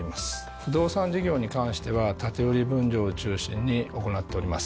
不動産事業に関しては建て売り分譲を中心に行っております。